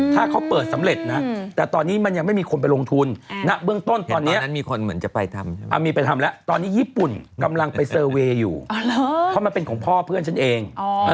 ถ้าเขาเปิดสำเร็จนะแต่ตอนนี้มันยังไม่มีคนไปลงทุนณเบื้องต้นตอนนี้มีคนเหมือนจะไปทำมีไปทำแล้วตอนนี้ญี่ปุ่นกำลังไปเซอร์เวย์อยู่เพราะมันเป็นของพ่อเพื่อนฉันเอง